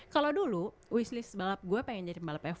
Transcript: kalau dulu wishlist balap gue pengen jadi balap f satu